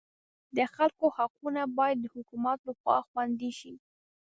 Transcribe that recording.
د خلکو حقونه باید د حکومت لخوا خوندي شي.